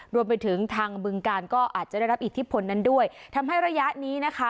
รวมไปถึงทางบึงการก็อาจจะได้รับอิทธิพลนั้นด้วยทำให้ระยะนี้นะคะ